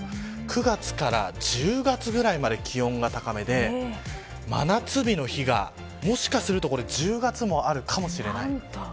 ９月から１０月ぐらいまで気温が高めで真夏日の日が、もしかすると１０月もあるかもしれない。